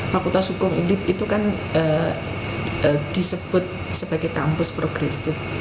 fakultas hukum ini itu kan disebut sebagai kampus progresif